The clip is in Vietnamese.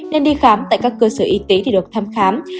nên đi khám tại các cơ sở y tế để được thăm khám